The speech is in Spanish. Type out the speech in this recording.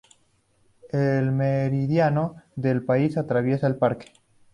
El meridiano de París atraviesa el parque.